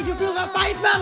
njupiu gak pahit bang